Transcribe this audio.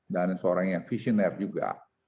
dan seorang yang visioner juga